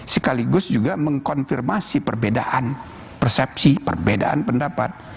sekaligus juga mengkonfirmasi perbedaan persepsi perbedaan pendapat